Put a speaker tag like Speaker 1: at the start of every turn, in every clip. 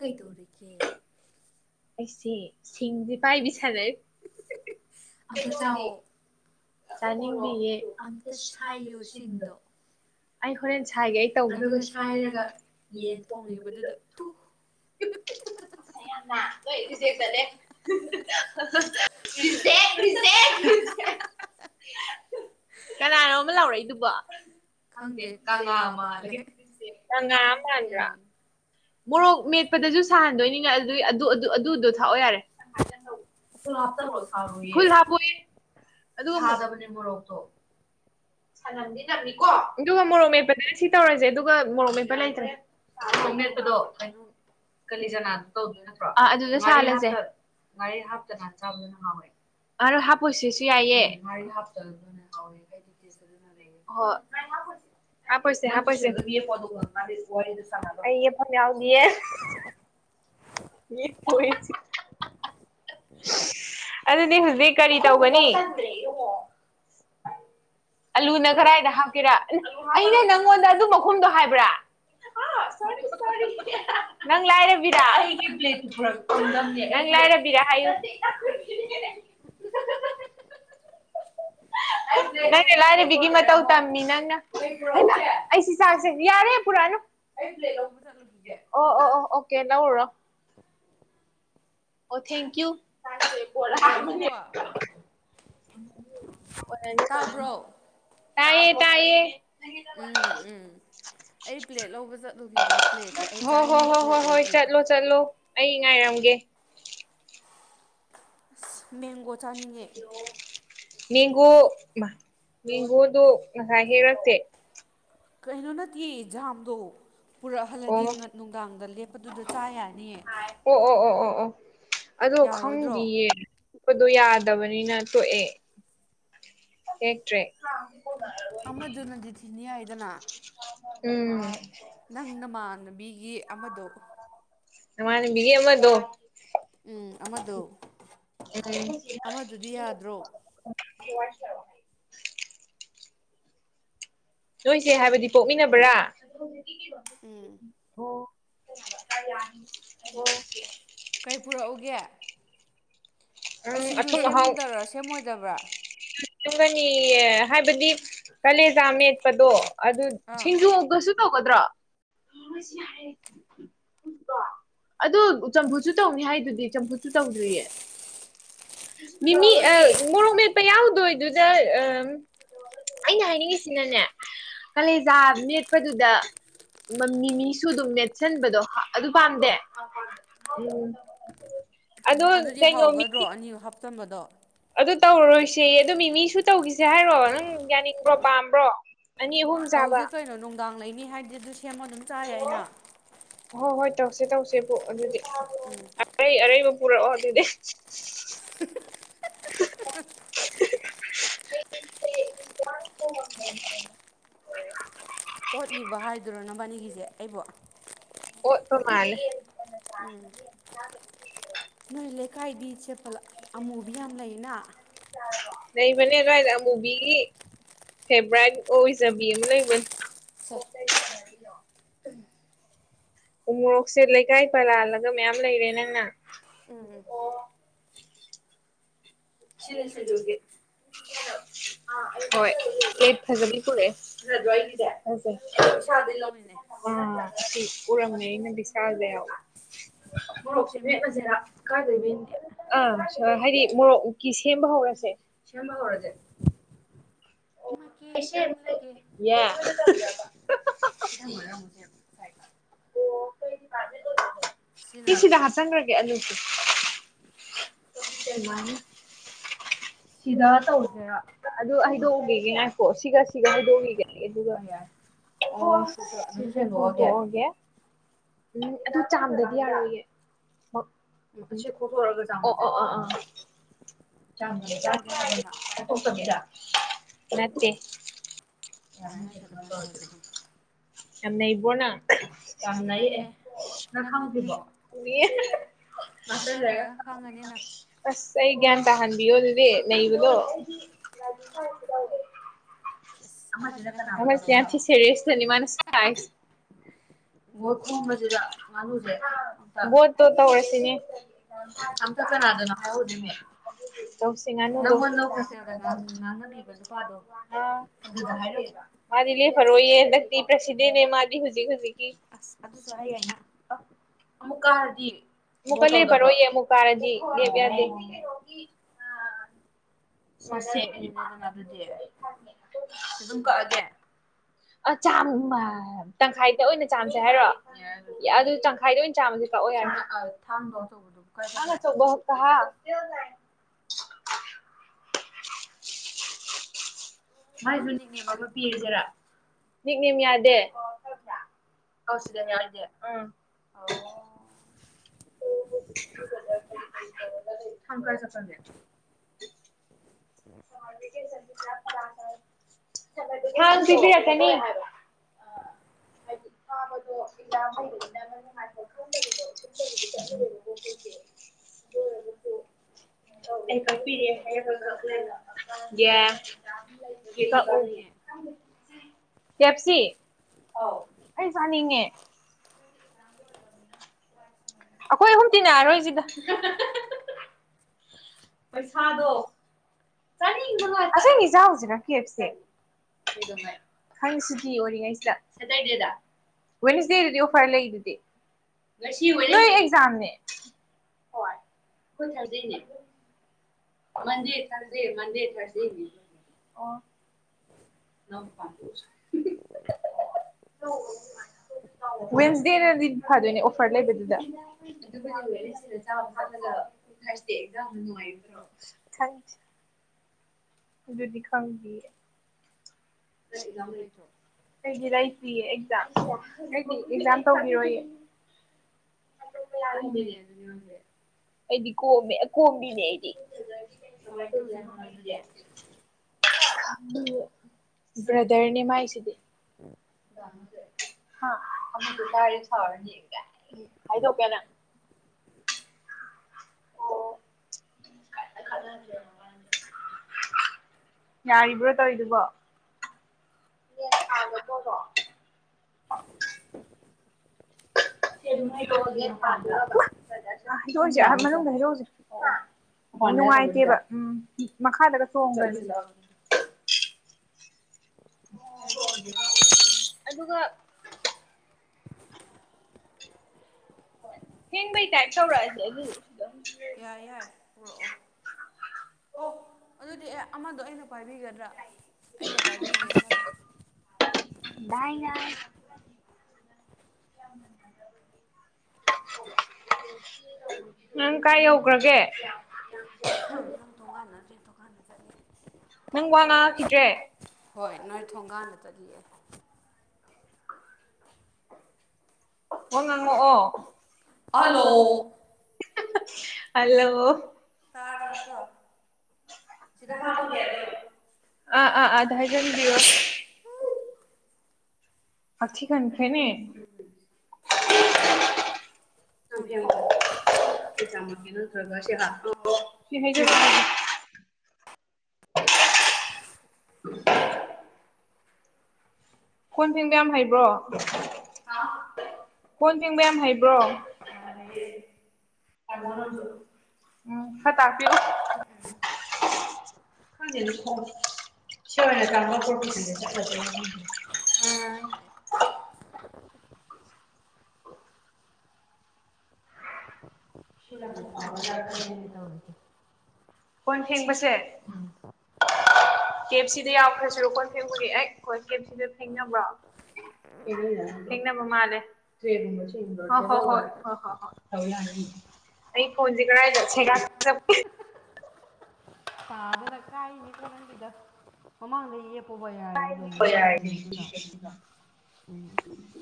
Speaker 1: ꯀꯩꯗꯧꯔꯤꯒꯦ
Speaker 2: ꯑꯩꯁꯦ ꯁꯤꯡꯁꯦ ꯄꯥꯏꯕꯤ ꯁꯥꯥꯟꯅꯩ
Speaker 1: ꯑꯝꯇ
Speaker 2: ꯑꯃꯁꯨꯡ ꯑꯃꯨꯛ
Speaker 1: ꯆꯥꯎꯋꯣ
Speaker 2: ꯆꯅꯤꯡꯕꯤꯌꯦ ꯑ
Speaker 1: ꯑꯝꯇ
Speaker 2: ꯁ
Speaker 1: ꯁꯥꯏꯌꯣ
Speaker 2: ꯁꯤꯗ
Speaker 1: ꯁꯤꯡꯗꯣ ꯑꯗꯨꯒ ꯁꯥꯏꯔꯒ ꯌꯦꯟ ꯊꯣꯡꯉꯤꯕꯗꯨꯗ ꯊꯨ
Speaker 2: [inaudible] ꯣꯏꯁꯦ ꯀꯅꯥꯅꯣ ꯑꯃ ꯂꯧꯥꯎꯔꯛꯏꯗꯨꯕꯣ ꯈꯪꯗꯦ ꯀꯪꯂꯥ
Speaker 1: ꯀꯪꯉꯥ ꯃꯥꯜꯂꯦ
Speaker 2: ꯑꯃꯗꯒꯤ ꯀꯪꯂꯥ ꯃꯥꯟꯥꯟꯕꯗ꯭ꯔꯥ
Speaker 1: ꯃꯣꯔꯣꯛ ꯃꯦꯠꯄꯗꯁꯨ ꯁꯥꯍꯟꯗꯣꯏꯅꯤꯅ ꯑꯗꯨꯏ ꯑꯗꯨꯗꯣ ꯊꯥꯛꯑꯣ ꯌꯥꯔꯦꯑꯣ ꯎ ꯐꯨꯜ ꯍꯥꯞꯇꯜꯂꯣ ꯁꯥꯔꯨꯌꯦ
Speaker 2: ꯐꯨꯜ ꯍꯥꯞꯄꯣꯌꯦ ꯑꯗꯨꯒ
Speaker 1: ꯁꯥꯗꯕꯅꯦ ꯃꯣꯔꯣꯛꯇꯣ
Speaker 2: ꯀꯣ ꯑꯗꯨꯒ ꯃꯣꯔꯣꯛ ꯃꯦꯠꯄꯗ ꯁꯤ ꯇꯧꯔꯁꯦ ꯑꯗꯨꯒ ꯃꯣꯔꯣꯛ ꯃꯦꯠꯄ ꯂꯩꯇ꯭ꯔꯦ
Speaker 1: ꯍ ꯃꯦꯠꯄꯗꯣ ꯀꯩꯅꯣꯝ
Speaker 2: ꯀꯂꯤꯖꯅꯥꯠꯇ꯭ꯔ ꯉꯥꯔꯤ ꯍꯥꯞꯇ ꯆꯥꯕꯗꯨ ꯍꯥꯎꯋꯦ ꯑ ꯍꯥꯞꯄꯁꯤꯁꯨ ꯌꯥꯏꯑ
Speaker 1: ꯍꯥꯏꯥꯏꯗꯤꯇꯁ ꯑꯗꯨꯅꯥ ꯂꯩꯌꯦ
Speaker 2: ꯍꯥꯞꯄꯣꯏꯁꯦ ꯍꯥꯞꯄꯣꯏꯁꯦ
Speaker 1: ꯅꯪꯁꯨꯁ ꯃꯤ ꯑꯦꯐ ꯑꯣꯗꯣꯉ ꯋꯥꯔꯤꯗꯨꯣ
Speaker 2: ꯑꯩ
Speaker 1: ꯁꯥꯟꯅꯔꯣꯏ
Speaker 2: ꯌꯦꯠꯐꯣꯟ ꯃꯤ ꯄꯁꯤ ꯑꯗꯨꯗꯤ ꯍꯧꯖꯤꯛ ꯀꯔꯤ ꯇꯧꯒꯅꯤ ꯑꯂꯨꯅ ꯀꯗꯥꯏꯗ ꯍꯥꯞꯀꯦꯔꯥ ꯑꯩꯅ ꯅꯪꯉꯣꯟꯗ ꯑꯗꯨ ꯃꯈꯨꯝꯗꯣ ꯍꯥꯏꯕ꯭ꯔꯥ ꯅꯪ ꯂꯥꯏꯔꯕꯤꯔ ꯑꯩꯒꯤ ꯄ꯭ꯂꯦꯠꯨ ꯄꯨꯔꯛ ꯅꯦ ꯅꯪ ꯂꯥꯏꯔꯕꯤꯔ ꯍꯥꯏꯌꯨ
Speaker 1: [inaudible]
Speaker 2: ꯅꯪꯅꯦ ꯂꯥꯏꯔꯕꯤꯒꯤ ꯃꯇꯧ ꯇꯝꯃꯤ ꯅꯪꯅ
Speaker 1: ꯀꯩ ꯄꯨꯔꯛ
Speaker 2: ꯑꯩꯁꯤ ꯆꯁꯤ ꯌꯥꯔꯦ ꯄꯨꯔꯥꯅꯨ ꯑꯩ
Speaker 1: ꯄ꯭ꯂꯦꯠ ꯂꯧꯕ ꯆꯠꯂꯨꯈꯤꯒꯦ
Speaker 2: ꯑꯣ ꯑꯣ ꯑꯣ ꯑꯣꯀꯦ ꯂꯧꯔꯨꯔꯣ ꯑꯣ ꯊꯦꯡꯀꯌꯨ
Speaker 1: ꯉꯥꯏꯈꯣꯀꯣ ꯇꯥꯕ꯭ꯔꯣ
Speaker 2: ꯇꯥꯏꯌꯦ ꯇꯥꯏꯌꯦ
Speaker 1: ꯎꯝ ꯎꯝ ꯑꯩ ꯄ꯭ꯂꯦꯠ ꯂꯧꯕ ꯆꯠꯂꯨꯈꯤꯒꯦ ꯄ꯭ꯂꯦꯠꯁꯦ ꯑꯩ
Speaker 2: ꯍꯣ ꯍꯣ
Speaker 1: ꯆꯥꯐꯝ
Speaker 2: ꯍꯣ ꯍꯣ
Speaker 1: ꯄ꯭ꯂꯦꯠ
Speaker 2: ꯍꯣꯏ
Speaker 1: ꯂꯩꯇ꯭ꯔꯦ
Speaker 2: ꯆꯠꯂꯣ ꯆꯠꯂꯣ ꯑꯩ ꯉꯥꯏꯔꯝꯒꯦ
Speaker 1: ꯑꯁ ꯃꯦꯡꯒꯣ ꯆꯥꯅꯤꯡꯉꯦ
Speaker 2: ꯃꯤꯒꯨ ꯃꯤꯒꯨ ꯑꯗꯨ ꯍꯔꯛꯇꯦ
Speaker 1: ꯀꯩꯅꯣ ꯅꯠꯇꯦꯖꯥꯝꯗꯣ ꯄꯨꯔꯛꯍꯜꯂꯗꯤ
Speaker 2: ꯑꯣ
Speaker 1: ꯅꯨꯡꯗꯥꯡꯗ ꯂꯦꯞꯄꯗꯨꯗ ꯆꯥ ꯌꯥꯏ
Speaker 2: ꯑꯣ ꯑꯣ ꯑꯣ ꯑꯣ ꯑꯣ ꯑꯗꯣ
Speaker 1: ꯌꯥꯔꯣꯏꯗ꯭ꯔꯣ
Speaker 2: ꯈꯪꯗꯤꯌꯦ ꯊꯣꯛꯄꯗꯣ ꯌꯥꯗꯕꯅꯤꯅ ꯊꯣꯛꯑꯦ
Speaker 1: ꯑꯃꯗꯨꯅꯗꯤꯊꯤꯅꯤ ꯍꯥꯏꯏꯗꯅ
Speaker 2: ꯎꯝ
Speaker 1: ꯅꯪ ꯅꯃꯥꯟꯅꯕꯤꯒꯤ ꯑꯃꯗꯣ
Speaker 2: ꯃꯥꯥꯟꯅꯕꯤꯒ ꯑꯃꯗꯨ
Speaker 1: ꯎꯝ ꯑꯃꯗ
Speaker 2: ꯎꯝ
Speaker 1: ꯑꯃꯗꯗꯤ ꯌꯥꯗ꯭ꯔꯣ
Speaker 2: ꯌ ꯋꯥ ꯁ ꯅꯣꯏꯁꯦ ꯍꯥꯏꯕꯗꯤ ꯄꯣꯛꯃꯤꯟꯅꯕ꯭ꯔꯥ
Speaker 1: ꯎꯝ
Speaker 2: ꯑꯣ ꯌꯥ
Speaker 1: ꯀꯔꯤ ꯄꯨꯔꯛꯎꯒꯦ ꯑꯩ ꯁꯤꯡꯖꯨ ꯁꯦꯝꯗꯔ ꯁꯦꯝꯃꯣꯏꯗꯕ꯭ꯔꯥ
Speaker 2: ꯆꯪꯒꯅꯤꯌꯦ ꯍꯥꯏꯕꯗꯤ ꯀꯂꯦꯖꯥ ꯃꯦꯠꯄꯗꯣ ꯑꯗꯨ
Speaker 1: ꯑꯥ
Speaker 2: ꯁꯤꯡꯖꯨꯒꯁꯨ ꯇꯧꯒꯗ꯭ꯔꯣ ꯑꯗꯨꯗ ꯆꯝꯐꯨꯠꯁꯨ ꯇꯧꯅꯤ ꯍꯥꯏꯗꯨꯗꯤ ꯆꯝꯐꯨꯠꯁꯨ ꯇꯧꯗ꯭ꯔꯤꯌꯦ ꯃꯤꯃꯤ ꯃꯣꯔꯣꯛ ꯃꯦꯠꯄ ꯌꯥꯎꯗꯣꯏꯗꯨꯗ ꯑ ꯑꯩꯅ ꯍꯥꯏꯅꯤꯡꯉꯤꯁꯤꯅꯅꯦ ꯀꯂꯦꯖꯥ ꯃꯦꯠꯄꯗꯨꯗ ꯃꯤ ꯃꯤꯁꯨ ꯑꯗꯨꯝ ꯃꯦꯠꯁꯤꯟꯕꯗꯣ ꯑꯗꯨ ꯄꯥꯝꯗꯦ ꯌꯗꯕꯅ
Speaker 1: ꯑꯗꯨꯗꯤ ꯍꯥꯎꯒꯗ꯭ꯔꯣ ꯑꯅꯤꯃꯨꯛ ꯍꯥꯞꯆꯤꯟꯕꯗꯣ
Speaker 2: ꯑꯗꯨ ꯇꯧꯔꯔꯣꯏꯁꯦ ꯑꯗꯨ ꯃꯤ ꯃꯤꯁꯨ ꯇꯧꯈꯤꯁꯦ ꯍꯥꯏꯔꯣ ꯅꯪ ꯌꯥꯅꯤꯡꯕ꯭ꯔꯣ ꯄꯥꯝꯕ꯭ꯔꯣ ꯑꯅꯤ ꯑꯍꯨꯝ ꯆꯥꯕ
Speaker 1: ꯆꯧꯁꯦ ꯀꯩꯅꯣ ꯅꯨꯡꯗꯥꯡ ꯂꯩꯅꯤ ꯍꯥꯏꯗꯤ ꯑꯗꯨ ꯁꯦꯝꯃꯣ ꯑꯗꯨꯝ ꯆꯥꯏꯑ ꯑꯩꯅ
Speaker 2: ꯍꯣꯏ ꯍꯣꯏ ꯇꯧꯁꯦ ꯇꯧꯁꯦꯕ ꯑꯗꯨꯗꯤ ꯑꯔꯩ ꯑꯔꯩꯕ ꯄꯨꯔꯛꯑꯣ ꯑꯗꯨꯗꯤ [inaudible] [inaudible]
Speaker 1: ꯑꯣꯣꯠꯂꯤꯕ ꯍꯥꯏꯗꯨꯔꯣ ꯅꯕꯥꯅꯤꯒꯤꯁꯦ ꯑꯩꯕꯣ
Speaker 2: ꯄꯃꯥꯟ
Speaker 1: ꯎꯝ ꯅꯣꯏ ꯂꯩꯀꯥꯏꯗꯤ ꯆꯦꯠꯄꯂ ꯑꯃꯨꯕꯤ ꯌꯥꯝ ꯂꯩꯅ
Speaker 2: ꯂꯩꯕꯅꯦ ꯑꯗꯨꯋꯥꯏꯗ ꯑꯃꯨꯕꯤꯒꯤ ꯐꯦꯕꯔꯥꯏꯠ ꯑꯣ ꯏꯖꯕꯤ ꯑꯃ ꯂꯩꯕ
Speaker 1: ꯁ
Speaker 2: ꯎꯃꯣꯔꯣꯛꯁꯦ ꯂꯩꯀꯥꯏ ꯄꯔꯥꯜꯂꯒ ꯃꯌꯥꯝ ꯂꯩꯔꯦ ꯅꯪꯅ
Speaker 1: ꯁꯤꯅ ꯁꯤꯡꯖꯨꯒꯤ
Speaker 2: ꯍꯣꯏ ꯄꯦꯠ ꯐꯖꯕꯤ ꯄꯨꯔꯦ ꯔꯖꯋꯥꯏ ꯁ
Speaker 1: ꯕꯤꯁꯥꯜꯗꯩ ꯂꯧꯔꯤꯅꯦ
Speaker 2: ꯂ ꯎ ꯄꯨꯔ ꯃꯅꯤ ꯏꯅ ꯁꯥꯖꯦ ꯍꯥꯎ
Speaker 1: ꯃꯣꯔꯣꯛꯁꯤ
Speaker 2: ꯁꯤꯃꯦ ꯃꯖꯤꯔ
Speaker 1: ꯃꯦꯠꯂꯁꯤꯔꯥ
Speaker 2: ꯀꯥꯏ
Speaker 1: ꯀꯥꯏꯗꯣꯏꯃꯤꯅꯦ
Speaker 2: ꯀ ꯑꯥ ꯍꯥꯏꯗꯤ ꯃꯣꯔꯣꯛꯀꯤ ꯁꯦꯝꯕ ꯍꯧꯔꯁꯦ
Speaker 1: ꯁꯦꯝꯦꯡꯦꯝꯕ ꯍꯔꯣꯖꯦ ꯀꯦ ꯁꯤ ꯑ ꯂꯩꯒꯦ
Speaker 2: ꯌꯥ
Speaker 1: ꯈꯤꯊꯪ ꯑꯣꯏꯔꯔꯝꯃꯣꯁꯦ ꯁꯥꯏꯠꯇ
Speaker 2: ꯑꯣ ꯁꯤ
Speaker 1: ꯁꯤꯅ
Speaker 2: ꯁꯤꯗ ꯍꯥꯞꯆꯟꯈ꯭ꯔꯒꯦ ꯑꯂꯨꯁꯦ ꯅꯤ ꯁꯤꯗꯥ
Speaker 1: ꯁꯤꯗ
Speaker 2: ꯇ
Speaker 1: ꯇꯧꯁꯤꯔꯥ
Speaker 2: ꯑꯗꯨ ꯍ ꯍꯥꯏꯗꯣꯛꯈꯤꯒꯦ ꯉꯥꯏꯀꯣ ꯁꯤꯒ ꯁꯤꯒ ꯍꯩꯗꯣꯛꯏꯒꯦ ꯒꯦ
Speaker 1: ꯍꯣꯏ ꯌꯥꯏ ꯑꯗꯨꯝ ꯁꯦꯡꯗꯣꯛꯑꯒꯦ
Speaker 2: ꯍꯧꯒꯦ ꯎꯝ ꯑꯗꯨ ꯆꯥꯝꯗꯗꯤ ꯌꯥꯔꯣꯏꯌꯦ
Speaker 1: ꯑꯁꯤꯒ
Speaker 2: ꯏꯦ ꯀꯇꯒꯖꯥꯡ
Speaker 1: ꯆꯥꯝꯃ
Speaker 2: ꯑꯣ ꯑꯣ ꯑꯣ
Speaker 1: ꯆꯥꯝꯗꯅ ꯆꯥꯒꯦ ꯍꯥꯏꯕ꯭ꯔꯥ
Speaker 2: ꯆꯥꯡꯄꯗ ꯅꯠꯇꯦ
Speaker 1: ꯌꯥꯏꯅ ꯁꯤ ꯑꯗꯨꯃꯥꯏꯅ ꯇꯧꯔꯁꯦ ꯑꯗꯨꯝ
Speaker 2: ꯌꯥꯝꯟꯅꯕꯣꯅ ꯀ
Speaker 1: ꯌꯥꯝ ꯅꯩ
Speaker 2: ꯑꯦ ꯅꯪ ꯈꯪꯗ꯭ꯔꯤꯅꯦꯣꯟ
Speaker 1: ꯉꯥꯛꯇ
Speaker 2: ꯂꯩꯔꯒ
Speaker 1: ꯈꯪꯉꯅꯤ ꯅꯪ
Speaker 2: ꯑꯁ ꯑꯩ ꯭ꯟ ꯇꯥꯍꯟꯕꯤꯣ ꯑꯗꯨꯗꯤ ꯅꯕꯨꯂꯣ
Speaker 1: ꯑꯁ ꯑꯃꯁꯤꯅ ꯀꯅꯥꯕꯨ
Speaker 2: ꯌꯥꯝ
Speaker 1: ꯇꯧꯔꯤꯅꯣ
Speaker 2: ꯊꯤ ꯁꯦꯔꯤꯌꯁꯇꯅꯤ ꯠ ꯈ ꯃꯖꯥꯗ
Speaker 1: ꯑꯝꯇ
Speaker 2: ꯑꯂꯨ ꯇ ꯇ ꯑꯣꯏꯔꯁꯤꯅꯦ ꯑꯝ
Speaker 1: ꯇ
Speaker 2: ꯀ ꯀꯅꯥ
Speaker 1: ꯀꯅꯥꯗꯅꯣ
Speaker 2: ꯑꯗꯨꯅ ꯍꯗꯤ
Speaker 1: ꯍꯥꯏꯍꯧꯗꯣꯏꯅꯦ
Speaker 2: ꯃ ꯇꯧ ꯁꯤ
Speaker 1: ꯍꯣꯁꯇꯦꯜꯗ ꯉꯥꯡꯅꯕꯤꯕ ꯅꯨꯄꯥꯗꯣ ꯑꯗꯨꯗ ꯍꯥꯏꯔꯝꯃꯨ
Speaker 2: ꯃꯥꯗꯤ ꯂꯦꯐꯔꯣꯏꯌꯦ ꯍꯟꯗꯛꯇꯤ ꯄ꯭ꯔꯁꯤꯗꯦꯅꯦ ꯃꯥꯗꯤ ꯍꯧꯨꯖꯤꯛ ꯍꯧꯨꯖꯤꯛꯀꯤ
Speaker 1: ꯑꯁ ꯑꯗꯨꯁꯨ ꯍꯥꯏ ꯍꯥꯏꯅ ꯑ ꯑꯃꯨꯛꯀꯥꯔꯗꯤ ꯕꯣ
Speaker 2: ꯑꯃꯨꯛꯀ
Speaker 1: ꯇꯧꯗꯕ꯭ꯔꯣ
Speaker 2: ꯂꯦꯞꯄꯔꯣꯏꯌꯦ ꯑꯃꯨꯛ ꯀꯥꯔꯗꯤ ꯂꯦꯞ ꯌꯥꯗꯦ
Speaker 1: ꯁꯣꯁꯦꯠꯅꯤꯅꯗꯅ ꯑꯗꯨꯗꯤ ꯁꯤ ꯑꯗꯨꯝ ꯀꯛꯑꯒꯦ
Speaker 2: ꯑ ꯆꯥꯝ ꯇꯪꯈꯥꯏꯗ ꯑꯣꯏꯅ ꯆꯥꯝꯃꯁꯦ ꯍꯥꯏꯔꯣ ꯑꯗꯨ ꯇꯪꯈꯥꯏꯗ ꯑꯣꯏꯅ ꯆꯥꯝꯃꯁ ꯌꯥꯝ
Speaker 1: ꯊꯥꯡꯗꯣ ꯑꯆꯧꯕꯗꯨꯕꯨ ꯀꯥꯏ ꯆꯠ
Speaker 2: ꯊꯕ ꯀ [unintelligible]
Speaker 1: ꯃꯥꯏꯁꯨ ꯅꯤꯛꯅꯦꯦꯝ ꯑꯃ ꯄꯤꯔꯤꯗꯔꯥꯦꯝ
Speaker 2: ꯅꯤꯛꯅꯦꯝ ꯌꯥꯗꯦ
Speaker 1: ꯌꯥꯗꯦ꯭ꯔꯥ ꯑ ꯁꯤꯗ ꯌꯥꯎꯔꯗꯤꯦ
Speaker 2: ꯎꯝ
Speaker 1: ꯑ
Speaker 2: ꯊꯝ ꯀꯔ ꯆ ꯁꯪꯖꯦ [unintelligible] ꯍꯥꯡ ꯁꯤ ꯌꯥꯠꯇꯦꯅꯤ ꯍꯥꯏꯗꯤ ꯐꯥꯕꯗꯣ ꯑꯦꯖꯥ ꯍꯩꯕꯅꯤꯅ ꯅꯪꯉꯥꯏꯄ ꯈꯪꯗ [unintelligible] ꯀꯄꯤꯔꯤ
Speaker 1: ꯍꯥꯏꯔꯒ ꯈꯛꯅ
Speaker 2: ꯌꯥ ꯀꯦꯞꯁꯤ
Speaker 1: ꯑ
Speaker 2: ꯑꯩ ꯆꯥꯅꯤꯡꯉꯦ ꯑꯩꯈꯣꯏ ꯑꯍꯨꯝ ꯇꯤꯟꯅꯔꯣꯏꯁꯤꯗ ꯄꯩꯁꯥꯗꯣ ꯆꯅꯤꯡꯗ꯭ꯔꯣ ꯑꯁꯦꯡꯕꯩ ꯆꯔꯨꯁꯤꯔ ꯀꯦ ꯐꯦꯞ ꯁꯤ ꯀꯩꯗꯧꯉꯥꯏ ꯈꯪ ꯁꯨꯗꯤ ꯑꯣꯏꯔꯤꯉꯩꯁꯤꯗ
Speaker 1: ꯉꯁꯤ
Speaker 2: ꯁꯦꯇꯔꯗꯦꯗ ꯋꯦꯟꯁꯗꯦꯗꯨꯗꯤ ꯑꯣꯐꯔ ꯂꯩꯗꯨꯗꯤ ꯉꯁꯤ ꯑꯦꯛꯖꯥꯝꯅꯦ ꯍ ꯊꯖꯩꯅꯦ ꯃꯟꯗꯦ ꯊꯔꯁꯦ ꯃꯟꯗꯦ ꯊꯔꯁ ꯅ ꯄꯥ
Speaker 1: ꯅꯧꯄꯥꯟ
Speaker 2: ꯋꯦꯟꯁꯗꯦꯅꯗꯤ ꯐꯥꯗꯣꯏꯅꯦ ꯑꯣꯐꯔ ꯂꯩꯕꯗꯨꯗ ꯑꯗꯨꯕꯨ
Speaker 1: ꯑꯗꯨꯕꯨꯗꯤ
Speaker 2: ꯌꯧꯋꯦꯁꯤꯗ
Speaker 1: ꯋꯦꯅꯦꯁꯗꯦꯗ ꯆꯥ
Speaker 2: ꯆꯥꯕ ꯊꯂꯒ
Speaker 1: ꯊꯥꯔꯁꯗꯦ
Speaker 2: ꯊꯔꯁꯖꯥꯅ
Speaker 1: ꯑꯦꯛꯖꯥꯝꯗꯣ
Speaker 2: ꯅꯨꯡꯉꯥꯏꯗ꯭ꯔꯣ
Speaker 1: ꯅꯨꯡꯉꯥꯏꯒꯗ꯭ꯔꯣ
Speaker 2: ꯑꯗꯨꯗꯤ ꯈꯪꯗꯌꯦ
Speaker 1: ꯅꯪ ꯑꯦꯛꯖꯥꯝ ꯂꯩꯇ꯭ꯔꯣ
Speaker 2: ꯀꯗꯤ ꯂꯩꯇꯌꯦ ꯑꯦꯛꯖꯥꯝ ꯑꯩꯗꯤ ꯑꯦꯛꯖꯥꯝ ꯇꯧꯕꯤꯔꯣꯏꯌꯦ ꯗꯤꯗꯤꯦ
Speaker 1: ꯀꯣꯝꯃꯦꯅꯦ ꯑꯗꯨꯗꯤ ꯅꯪꯗꯤ
Speaker 2: ꯑꯩꯗꯤ ꯀꯣ ꯀꯣꯝꯕꯤꯅꯦ ꯑꯩꯗꯤ
Speaker 1: ꯀꯃꯥꯏꯅ ꯇꯧꯁꯦ ꯍꯥꯏꯕꯅꯣ ꯑꯗꯨꯗꯤ
Speaker 2: ꯕ꯭ꯔꯗꯔꯅꯦ ꯃꯥꯏꯁꯤꯗꯤ
Speaker 1: ꯎꯝ ꯗꯥ ꯅꯈ꯭ꯔꯦ ꯑꯃꯁ ꯇꯥꯔꯦ ꯁꯥꯎꯔꯅꯤ ꯀꯥꯏ ꯀꯦꯅ ꯀꯟꯅ ꯈꯠꯅ ꯍꯟꯖꯔꯛꯑꯣꯕꯥꯟꯁꯦꯀꯣ
Speaker 2: ꯌꯥꯔꯤꯕ꯭ꯔꯣ ꯇꯧꯔꯤꯗꯨꯕꯣ
Speaker 1: [unintelligible] ꯁꯤ
Speaker 2: [unintelligible]
Speaker 1: ꯑꯗꯨꯝ ꯍꯩꯗꯣꯛꯑꯒꯦ
Speaker 2: ꯃꯅꯔꯣ ꯅꯨꯡꯉꯥꯏꯇꯦꯕ ꯎꯝ ꯃꯈꯥꯗꯒ ꯆꯣꯡ
Speaker 1: ꯈꯥꯏꯗꯣꯛꯑꯝꯁꯤ ꯂꯥꯛ ꯑꯎ
Speaker 2: ꯑꯗꯨꯒ ꯍ ꯍꯦꯡꯕꯩ ꯇꯥꯏꯞ ꯇꯧꯔꯛꯑꯁꯦ ꯑꯗꯨꯗꯁꯨ ꯑꯗꯨꯝ
Speaker 1: ꯌꯥꯏ ꯌꯥꯏ ꯄꯨꯔꯛꯑꯣ ꯑꯣ ꯑꯗꯨꯗꯤ ꯑꯦ ꯑꯃꯗꯣ ꯑꯩꯅ ꯄꯥꯏꯕꯤꯒꯗ꯭ꯔꯥ ꯑꯩꯅ ꯄꯥꯏꯕꯤꯒꯦ ꯑꯃꯗ
Speaker 2: [unintelligible] [unintelligible] ꯅꯪ ꯀꯥꯏ ꯌꯧꯈ꯭ꯔꯒꯦ
Speaker 1: ꯎꯇꯣꯡ ꯀꯥꯟꯅ ꯆꯇꯣ ꯀꯥꯟꯅ ꯆꯠꯦ
Speaker 2: ꯅꯪ ꯋꯥ ꯉꯥꯡꯈꯤꯗ꯭ꯔꯦ
Speaker 1: ꯍꯣꯏ ꯅꯣꯏ ꯊꯣꯡꯒꯥꯟꯗ ꯆꯗꯤꯑ
Speaker 2: ꯑꯣ ꯋꯥ ꯉꯥꯡꯉꯛꯑꯣ
Speaker 1: ꯍꯜꯂꯣ
Speaker 2: ꯍꯂꯣ ꯍꯂꯣ
Speaker 1: ꯇꯥꯔꯕ ꯅꯠꯇ꯭ꯔꯣ ꯁꯤꯗ ꯍꯥꯞꯄꯒꯦ ꯑꯗꯨꯝ
Speaker 2: ꯑꯥ ꯑꯥ ꯑꯙꯥꯏꯖꯕꯤꯌꯣ ꯑꯈꯤ ꯈꯥꯟ ꯈ꯭ꯔꯅꯦ
Speaker 1: [unintelligible] ꯅꯪ ꯐꯦꯡꯉꯣ
Speaker 2: ꯆ ꯆꯆꯥꯃ
Speaker 1: ꯆꯥꯝꯃꯛꯀꯦ
Speaker 2: ꯅꯠꯇ꯭ꯔꯒ ꯁꯤ ꯍꯥ ꯍꯥꯏ [unintelligible] ꯈꯣꯟ ꯆꯦꯡꯕ ꯌꯥꯝ ꯍꯩꯕ꯭ꯔꯣ ꯈꯣꯟ ꯆꯦꯡꯕ ꯌꯥꯝ ꯍꯩꯕ꯭ꯔꯣ
Speaker 1: ꯌꯥꯝ ꯍꯩꯌꯦ ꯇꯝꯃꯣ ꯅꯪꯁꯨ
Speaker 2: ꯎꯝ ꯐꯠꯇ ꯄꯌꯣ
Speaker 1: ꯈꯪꯗꯦꯅ ꯁꯤ ꯑꯣꯏꯅ ꯇꯝꯕ ꯄ꯭ꯔꯣꯐꯦꯁꯟꯁꯦ ꯆꯠꯂꯁꯦ
Speaker 2: [unintelligible]
Speaker 1: ꯁꯤꯅꯕꯨ ꯐꯒꯣꯏꯗ꯭ꯔꯥ ꯈꯜꯂꯤꯅꯦ ꯇꯧꯔꯤꯁꯦ
Speaker 2: ꯀꯣꯏꯣꯟ ꯊꯦꯡꯕꯁꯦ
Speaker 1: ꯎꯝ
Speaker 2: ꯀꯦ ꯑꯦꯞ ꯁꯤꯗ ꯌꯥꯎꯈ꯭ꯔꯁꯤꯔꯣꯀꯣꯟ ꯐꯦꯡꯕꯒꯤ ꯑꯦ ꯍꯣꯏ ꯀꯦ ꯑꯦꯞ ꯁꯤꯗ ꯐꯦꯡꯅꯕ꯭ꯔꯣ ꯍ ꯃ ꯃꯥꯦ ꯍ ꯍ ꯍ ꯍ
Speaker 1: ꯇꯧ ꯌꯥꯅꯤ
Speaker 2: ꯑꯩ ꯐꯣꯟꯁꯤ ꯀ ꯍꯥꯏ ꯆꯁꯦꯒ
Speaker 1: ꯇꯥꯒꯗ ꯀꯥꯏꯅꯤ ꯀꯕꯤꯗ ꯃꯃꯥꯡ ꯂꯩ ꯇꯧꯕ ꯌꯥꯏ ꯑꯗꯨꯝ ꯅꯪꯒꯤ ꯀꯩꯅꯣꯗꯨꯗ ꯎ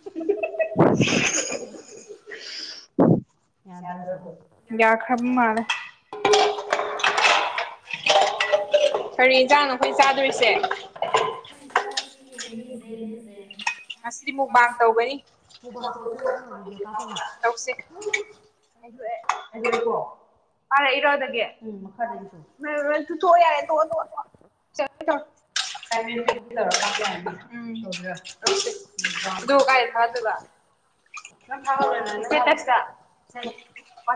Speaker 2: [unintelligible] ꯌꯥ ꯈꯕ ꯃꯥꯔ ꯀꯔꯤ ꯌꯦꯟꯖꯥꯡꯅꯣ ꯑꯩꯈꯣꯏ ꯆꯥꯗꯣꯏꯁꯦ ꯉꯁꯤꯗꯤ ꯃꯨꯛꯕꯥꯡ ꯇꯧꯒꯅꯤ ꯇꯧꯁꯤꯦ [unintelligible] ꯊ ꯊ ꯌꯥꯔꯦ ꯊꯣꯛ ꯇ ꯆ ꯊ ꯀ ꯊꯨ ꯀꯥꯏ ꯐ ꯇ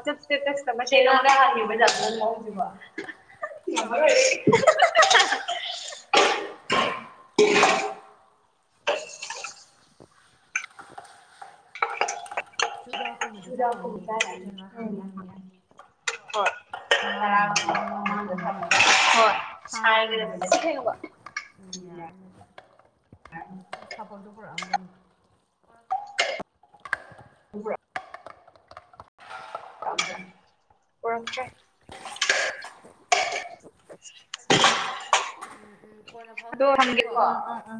Speaker 2: ꯇꯦꯊ ꯇꯤꯊꯁ ꯆꯦ ꯅꯣꯡꯗ ꯍꯥꯡꯉꯤꯕꯖꯕ ꯅꯪ ꯃ ꯍꯧꯁꯤꯕ
Speaker 1: ꯅꯝꯕꯔꯣ ꯍ ꯆꯨꯗꯥꯛꯀꯨꯝꯕꯗꯤ ꯆꯥꯔꯅꯤ ꯆꯦꯟꯂ ꯍꯥꯡꯉ
Speaker 2: ꯎꯝ
Speaker 1: ꯌꯥꯅꯤ
Speaker 2: ꯍꯣꯏ
Speaker 1: ꯇꯔꯥꯒꯨꯝꯕ ꯃꯃꯥꯡꯗ ꯊꯝꯃꯒ
Speaker 2: ꯍꯣꯏ
Speaker 1: ꯁꯥꯏꯒꯗꯕꯁꯦ
Speaker 2: ꯁꯥꯏꯒꯗꯕꯅꯦ ꯑꯁꯦꯡꯕ
Speaker 1: ꯌꯥꯔ ꯁꯄꯣꯟꯗꯨ ꯄꯨꯛꯑ
Speaker 2: ꯄꯨꯔꯝꯠꯇꯦ
Speaker 1: ꯀꯣꯟꯅ
Speaker 2: ꯑꯗꯣ
Speaker 1: ꯐꯥꯎꯅꯔꯁꯦꯀꯣ
Speaker 2: ꯊꯝꯒꯦꯀꯣ ꯑꯥ ꯑꯥ